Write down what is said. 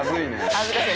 恥ずかしい。